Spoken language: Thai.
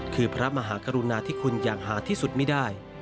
คือพระมหากรุณาที่คุณอย่างหาที่สุดไม่ได้